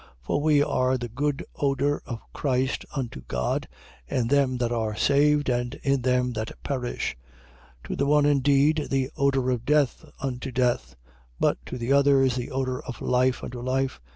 2:15. For we are the good odour of Christ unto God, in them that are saved and in them that perish. 2:16. To the one indeed the odour of death unto death: but to the others the odour of life unto life.